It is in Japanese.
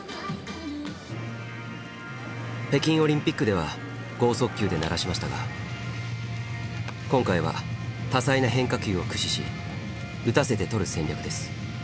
北京オリンピックでは剛速球で鳴らしましたが今回は多彩な変化球を駆使し打たせて取る戦略です。